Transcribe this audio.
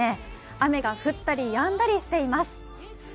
雨が降ったりやんだりしています。